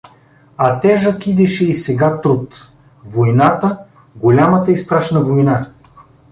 А тежък идеше и сега труд: войната, голямата и страшна война.